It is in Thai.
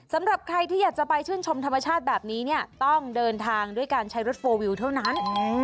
สำหรับใครที่อยากจะไปชื่นชมธรรมชาติแบบนี้เนี่ยต้องเดินทางด้วยการใช้รถโฟลวิวเท่านั้น